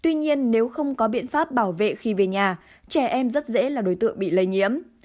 tuy nhiên nếu không có biện pháp bảo vệ khi về nhà trẻ em rất dễ là đối tượng bị lây nhiễm